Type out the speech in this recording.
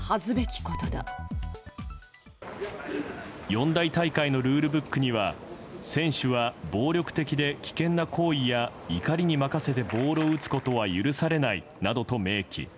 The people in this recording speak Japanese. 四大大会のルールブックには選手は、暴力的で危険な行為や怒りに任せてボールを打つことは許されないなどと明記。